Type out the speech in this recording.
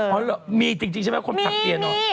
อ๋อเหรอมีจริงใช่ไหมคนถักเปียร์นอน